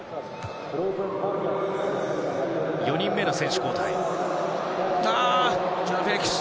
４人目の選手交代。